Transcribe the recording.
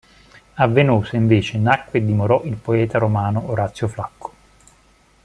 A Venosa invece nacque e dimorò il poeta romano Orazio Flacco.